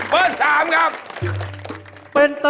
เบอร์๔ครับผม